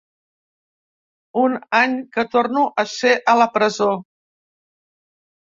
Un any que torno a ser a la presó.